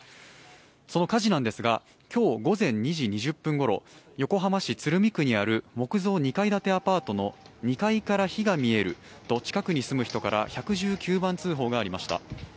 その火事ですが今日午前２時２０分頃横浜市鶴見区にある木造２階建てアパートの２階から火が見えると近くに住む人から１１９番通報がありました。